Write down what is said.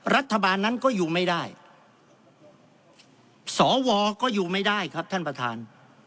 รัฐบาลนั้นก็อยู่ไม่ได้สวก็อยู่ไม่ได้ครับท่านประธาน